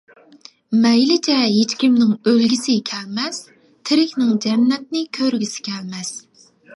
مەيلىچە ھېچكىمنىڭ ئۆلگۈسى كەلمەس، تىرىكنىڭ جەننەتنى كۆرگۈسى كەلمەس.